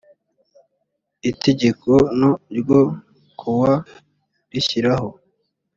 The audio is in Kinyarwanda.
itegeko no ryo ku wa rishyiraho